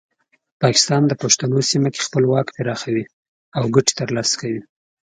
پاکستان د پښتنو سیمه کې خپل واک پراخوي او ګټې ترلاسه کوي.